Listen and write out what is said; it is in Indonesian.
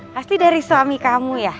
pasti dari suami kamu ya